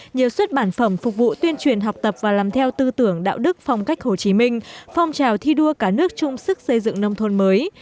nhiều xuất bản phẩm phục vụ tuyên truyền học tập và làm theo tư tưởng đạo đức phong cách hồ chí minh phong trào thi đua cả nước chung sức xây dựng nông thôn mới